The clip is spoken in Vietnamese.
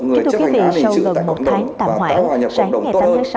người chấp hành án hình sự tại cộng đồng và tái hoàn nhập cộng đồng tốt hơn